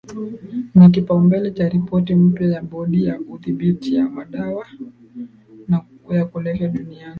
ni kipaumbele cha ripoti mpya ya Bodi ya udhibiti wa madawa ya kulevya duniani